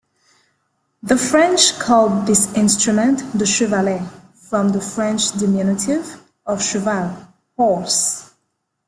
The French called this instrument the Chevalet, from the French diminutive of "cheval", horse.